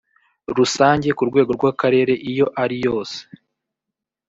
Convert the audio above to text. rusange ku rwego rw akarere iyo ari yose